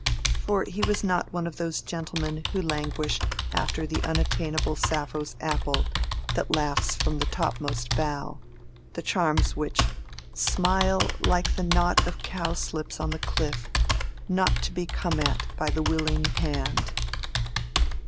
For he was not one of those gentlemen who languish after the unattainable Sappho's apple that laughs from the topmost bough—the charms which "Smile like the knot of cowslips on the cliff, Not to be come at by the willing hand."